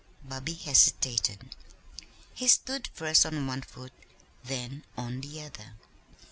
Bobby hesitated. He stood first on one foot, then on the other.